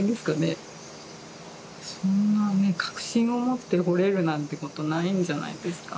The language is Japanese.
そんなね確信をもって彫れるなんてことないんじゃないんですか。